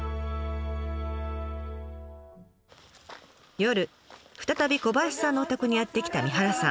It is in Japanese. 夜再び小林さんのお宅にやって来た三原さん。